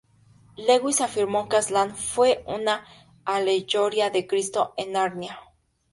Lewis afirmó que Aslan fue una alegoría de Cristo en Narnia.